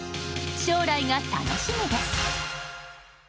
将来が楽しみです。